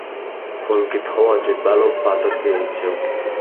পুলকিত হওয়াই উচিৎ, ভালো পাথর পেয়েছ।